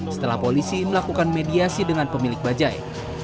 setelah polisi melakukan mediasi dengan pemilik bajai